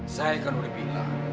saya kan udah bilang